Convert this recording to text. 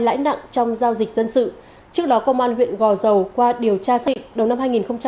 lãi nặng trong giao dịch dân sự trước đó công an huyện gò dầu qua điều tra xịn đầu năm hai nghìn một mươi tám